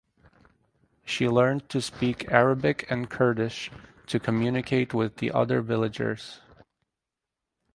She learned to speak Arabic and Kurdish to communicate with the other villagers.